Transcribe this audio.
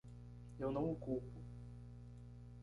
Eu não o culpo.